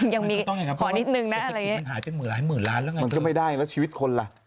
ยังมีขอนิดหนึ่งนะอะไรอย่างนี้อย่างนี้มันก็ไม่ได้แล้วชีวิตคนล่ะ